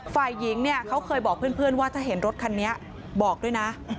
ฝ่ายหญิงเนี่ยเขาเคยบอกเพื่อนว่าถ้าเห็นรถคันนี้บอกด้วยนะ